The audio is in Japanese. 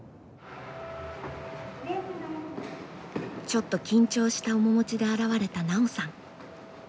ちょっと緊張した面持ちで現れた奈緒さん。